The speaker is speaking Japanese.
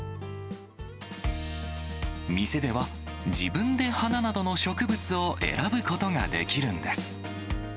店では、自分で花などの植物を選ぶことができるんです。